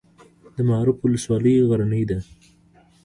د معروف ولسوالۍ غرنۍ ده